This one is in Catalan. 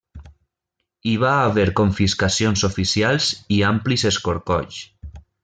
Hi va haver confiscacions oficials i amplis escorcolls.